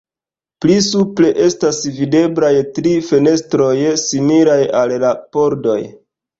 Pli supre estas videblaj tri fenestroj similaj al la pordoj.